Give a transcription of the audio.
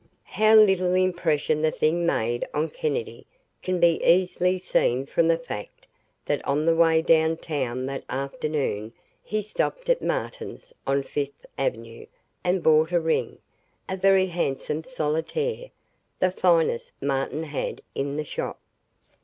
........ How little impression the thing made on Kennedy can be easily seen from the fact that on the way downtown that afternoon he stopped at Martin's, on Fifth Avenue, and bought a ring a very handsome solitaire, the finest Martin had in the shop.